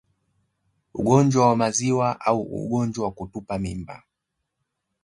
Ugonjwa wa Maziwa au Ugonjwa wa Kutupa Mimba